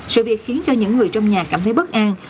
sự việc khiến cho những người trong nhà cảm thấy bất an